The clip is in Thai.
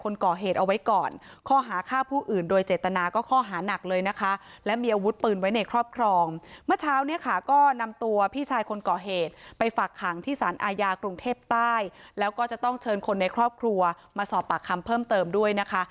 เมื่อเช้าเนี่ยค่ะก็นำตัวพี่ชายคนก่อเหตุไปฝักขังที่สรรอาญากรุงเทพใต้แล้วก็จะต้องเชิญคนในครอบครัวมาสอบปากคำเพิ่มเติมด้วยนะคะ